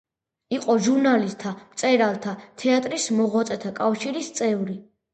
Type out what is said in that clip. იყო ჟურნალისტთა, მწერალთა, თეატრის მოღვაწეთა კავშირის წევრი.